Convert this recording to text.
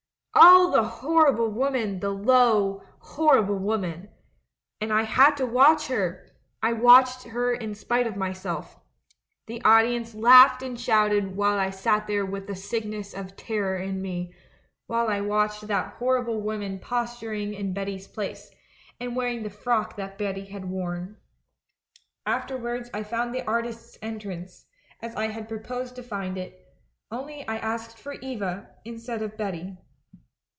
"Oh, the horrible woman, the low, horrible woman ! And I had to watch her, I watched her in spite of myself. The audience laughed and shouted while I sat there with the sickness of ter ror in me, while I watched that horrible woman posturing in Betty's place, and wearing the frock that Betty had worn. "Afterwards, I found the artists' entrance, as; I had proposed to find it — only I asked for Eva,, instead of Betty.